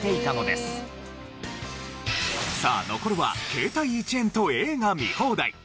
さあ残るは携帯１円と映画見放題。